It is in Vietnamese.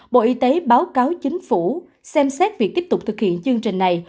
bộ y tế báo cáo chính phủ xem xét việc tiếp tục thực hiện chương trình này